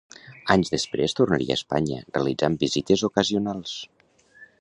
Anys després tornaria a Espanya, realitzant visites ocasionals.